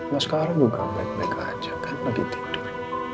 mas karo juga baik baik aja kan lagi tidur